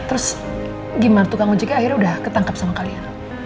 terus gimana tukang ojeknya akhirnya udah ketangkap sama kalian